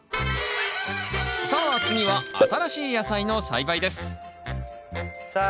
さあ次は新しい野菜の栽培ですさあ